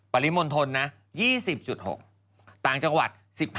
ปริมณฑลนะ๒๐๖ต่างจังหวัด๑๕